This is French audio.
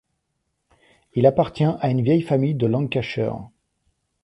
Il appartient à une vieille famille du Lancashire.